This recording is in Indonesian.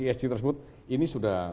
esg tersebut ini sudah